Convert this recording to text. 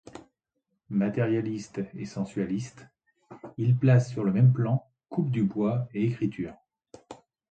Matérialiste et sensualiste, il place sur le même plan coupe du bois et écriture.